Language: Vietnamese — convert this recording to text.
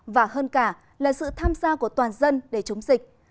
và hơn cả là sự tham gia của toàn dân để chống dịch